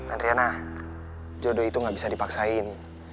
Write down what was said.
adriana jodoh itu gak bisa dipaksain